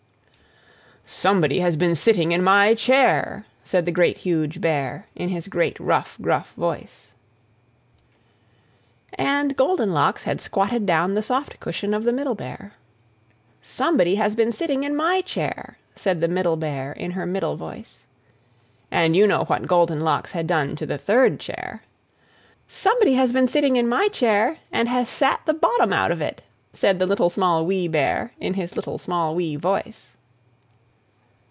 "SOMEBODY HAS BEEN SITTING IN MY CHAIR!" said the Great, Huge Bear, in his great, rough, gruff voice. And Goldenlocks had squatted down the soft cushion of the Middle Bear. "SOMEBODY HAS BEEN SITTING IN MY CHAIR!" said the Middle Bear, in her middle voice. And you know what Goldenlocks had done to the third chair. "SOMEBODY HAS BEEN SITTING IN MY CHAIR, AND HAS SAT THE BOTTOM OUT OF IT!" said the Little, Small, Wee Bear, in his little, small, wee voice.